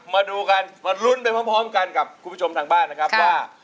มาดูกันมาลุ้นไปพร้อมกันกับคุณผู้ชมทางบ้านนะครับว่า